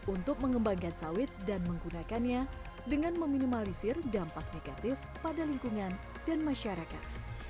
untuk mengembangkan sawit dan menggunakannya dengan meminimalisir dampak negatif pada lingkungan dan masyarakat